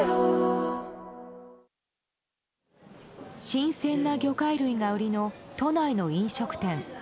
新鮮な魚介類が売りの都内の飲食店。